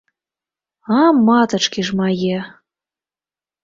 А матачкі ж мае!